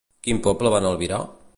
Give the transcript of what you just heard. Quin poble van albirar?